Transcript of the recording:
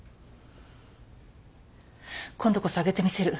今度こそあげてみせる。